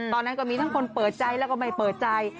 ตอนนั้นก็มีทั้งคนเปิดใจแล้วก็ไม่เปิดใจ